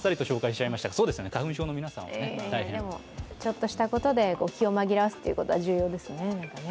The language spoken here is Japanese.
ちょっとしたことで気を紛らわすのは重要ですね。